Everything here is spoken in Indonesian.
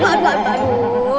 aduh aduh aduh